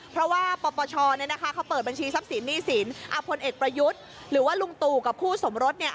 เพราะว่าพชปองค์เปิดบัญชีทรัพย์สินอพเปยุทหรือว่าลุงตูกับคู่สมรถเนี่ย